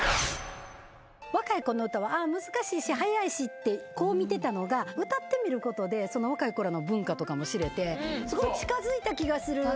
若い子の歌は難しいし速いしってこう見てたのが歌ってみることで若い子らの文化とかも知れてすごい近づいた気がする！